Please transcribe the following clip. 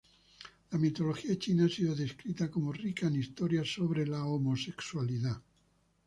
La mitología china ha sido descrita como "rica en historias sobre la homosexualidad".